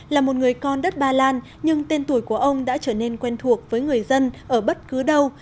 là một người con đất ba lan nhưng tên tuổi của ông đã trở nên quen thuộc với người dân ở bất cứ đâu